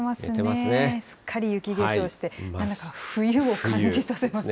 すっかり雪化粧して、なんだか冬を感じさせますね。